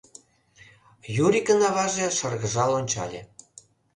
— Юрикын аваже шыргыжал ончале.